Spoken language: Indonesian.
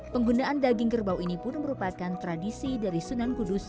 penggunaan daging kerbau ini pun merupakan tradisi dari sunan kudus